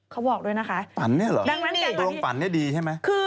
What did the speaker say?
เขาบอกด้วยนะคะฝันเนี่ยเหรอโรงฝันเนี่ยดีใช่ไหม